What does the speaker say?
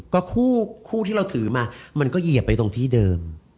ก็คู่ที่เราถือมามันก็เหยียบไปตรงที่เดิม